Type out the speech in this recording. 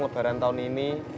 lebaran tahun ini